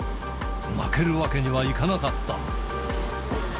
負けるわけにはいかなかった。